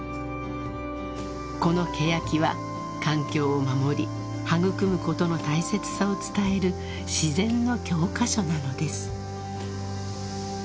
［このケヤキは環境を守り育むことの大切さを伝える自然の教科書なのです］